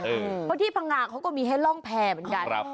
เพราะที่พังงาเขาก็มีให้ร่องแพร่เหมือนกัน